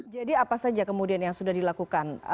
jadi apa saja kemudian yang sudah dilakukan